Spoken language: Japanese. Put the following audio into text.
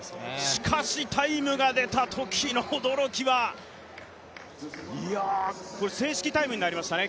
しかしタイムが出たときの驚きは、いや、正式タイムになりましたね